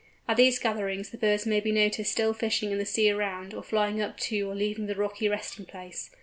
At these gatherings many birds may be noticed still fishing in the sea around, or flying up to or leaving the rocky resting place.